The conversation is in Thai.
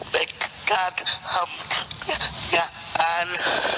เป็นการทำงาน